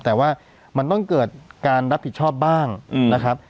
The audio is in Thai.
แต่ว่ามันต้องเกิดการรับผิดชอบบ้างนะครับ